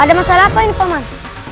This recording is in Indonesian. ada masalah apa ini paman